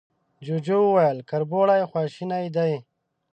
جوجو وويل، کربوړی خواشينی دی.